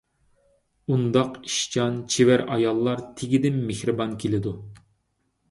ئۇنداق ئىشچان، چېۋەر ئاياللار تېگىدىن مېھرىبان كېلىدۇ.